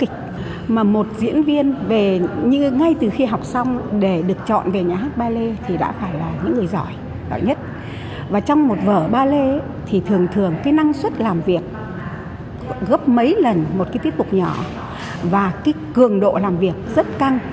các kịch múa gấp mấy lần một cái tiếp tục nhỏ và cái cường độ làm việc rất căng